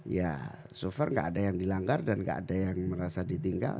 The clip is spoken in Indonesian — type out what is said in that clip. ya so far nggak ada yang dilanggar dan nggak ada yang merasa ditinggal